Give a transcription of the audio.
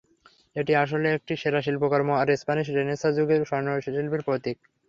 এটি আসলেই একটি সেরা শিল্পকর্ম আর স্প্যানিশ রেনেসাঁ যুগের স্বর্ণ শিল্পের প্রতীক।